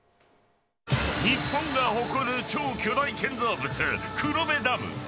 日本が誇る超巨大建造物黒部ダム。